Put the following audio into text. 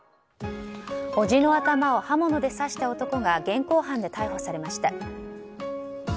おじの頭を刃物で刺した男が現行犯で逮捕されました。